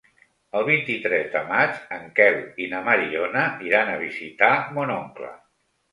El vint-i-tres de maig en Quel i na Mariona iran a visitar mon oncle.